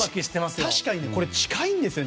確かに近いんですよね。